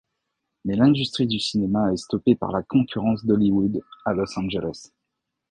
Mais l’industrie du cinéma est stoppée par la concurrence d’Hollywood à Los Angeles.